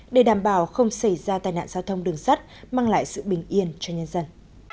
để đảm bảo không xảy ra tai nạn giao thông đường sắt mang lại sự bình yên cho nhân dân